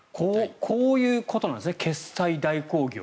こういうことなんですね決済代行業。